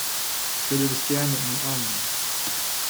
Ich würde dich gerne in den Arm nehmen.